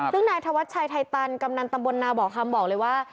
ซึ่งนายธวัชชัยไทยตันกำนันตำบลนาบ่อคำบอกเลยว่า